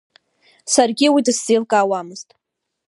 Саргьы уи дысзеилкаауамызт.